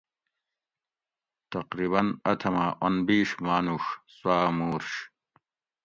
تقریباً اتھماۤ انبِیش مانوڛ سوآۤ مُورش